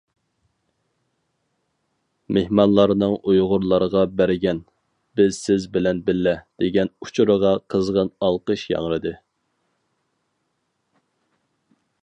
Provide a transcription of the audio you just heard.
مېھمانلارنىڭ ئۇيغۇرلارغا بەرگەن « بىز سىز بىلەن بىللە » دېگەن ئۇچۇرىغا قىزغىن ئالقىش ياڭرىدى.